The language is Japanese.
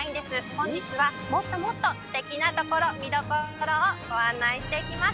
本日はもっともっと素敵なところ見どころをご案内していきます